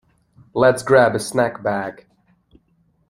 Let’s grab a snack bag.